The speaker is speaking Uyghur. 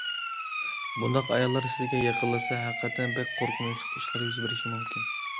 بۇنداق ئاياللار سىزگە يېقىنلاشسا ھەقىقەتەن بەك قورقۇنچلۇق ئىشلار يۈز بېرىشى مۇمكىن.